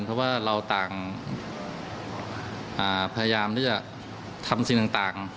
เพราะว่าเราต่างพยายามที่จะทำสิ่งต่าง